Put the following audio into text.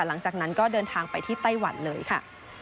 หลังจากนั้นก็เดินทางไปที่ไต้หวันเลยค่ะ